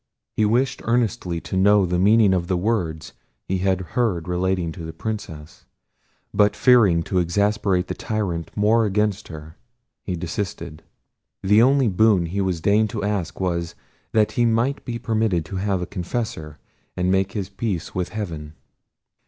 He wished earnestly to know the meaning of the words he had heard relating to the Princess; but fearing to exasperate the tyrant more against her, he desisted. The only boon he deigned to ask was, that he might be permitted to have a confessor, and make his peace with heaven.